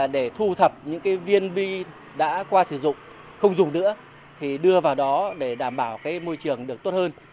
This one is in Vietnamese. để thu thập những viên bi đã qua sử dụng không dùng nữa thì đưa vào đó để đảm bảo môi trường được tốt hơn